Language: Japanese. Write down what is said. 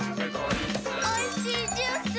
「おいしいジュース！」